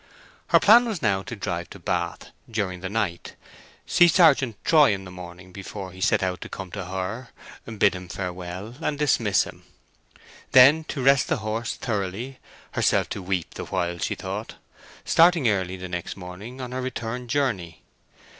Her plan was now to drive to Bath during the night, see Sergeant Troy in the morning before he set out to come to her, bid him farewell, and dismiss him: then to rest the horse thoroughly (herself to weep the while, she thought), starting early the next morning on her return journey.